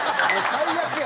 最悪や。